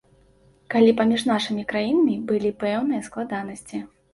Калі паміж нашымі краінамі былі пэўныя складанасці.